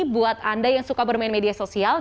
buat anda yang suka bermain media sosial